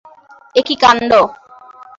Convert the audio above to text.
এ কী কাণ্ড?